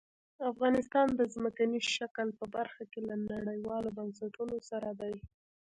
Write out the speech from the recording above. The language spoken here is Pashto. افغانستان د ځمکني شکل په برخه کې له نړیوالو بنسټونو سره دی.